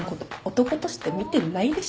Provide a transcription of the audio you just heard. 男として見てないでしょ。